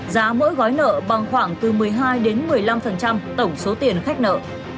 giá mỗi gói nợ bằng khoảng từ một mươi hai đến một mươi năm tổng số tiền khách nợ